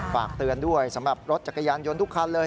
ฝากเตือนด้วยสำหรับรถจักรยานยนต์ทุกคันเลย